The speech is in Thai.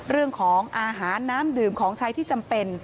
เรื่องของอาหารน้ำดื่มของใช้ที่จำเป็น